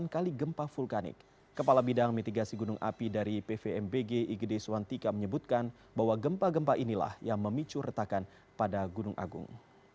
kepala bidang mitigasi gunung api dari ppmbg igede suantika menyebutkan bahwa gempa gempa inilah yang memicu retakan pada gunung agung